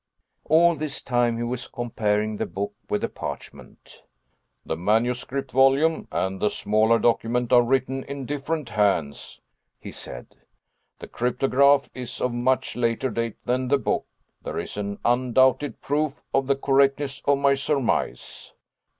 All this time he was comparing the book with the parchment. "The manuscript volume and the smaller document are written in different hands," he said, "the cryptograph is of much later date than the book; there is an undoubted proof of the correctness of my surmise.